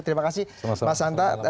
terima kasih mas anta